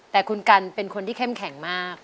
แต่คุณกันเป็นคนที่เข้มแข็งมาก